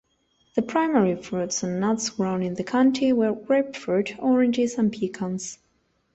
The primary fruits and nuts grown in the county were grapefruit, oranges, and pecans.